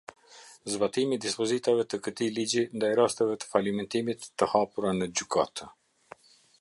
Zbatimi i dispozitave të këtij ligji ndaj rasteve të falimentimit të hapura në gjykatë.